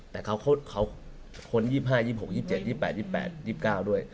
แต่เขาคน๒๕๒๖๒๗๒๘๒๘๒๙ด้วย